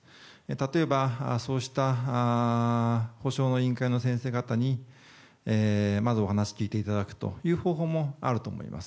例えばそうした補償の委員会の先生方にまず、お話を聞いていただくという方法もあると思います。